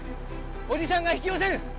おじさんが引き寄せる。